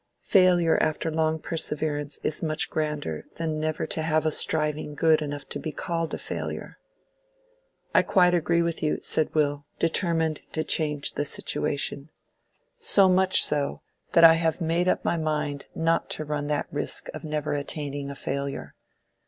Failure after long perseverance is much grander than never to have a striving good enough to be called a failure." "I quite agree with you," said Will, determined to change the situation—"so much so that I have made up my mind not to run that risk of never attaining a failure.